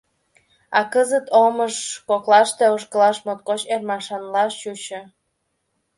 А кызыт омыж коклаште ошкылаш моткоч ӧрмашанла чучо.